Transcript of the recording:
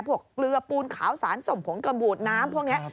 เกลือปูนขาวสารส่งผงกำบูดน้ำพวกนี้